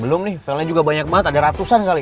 belom nih filenya juga banyak banget ada ratusan kali